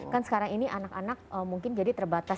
kan sekarang ini anak anak mungkin jadi terbatas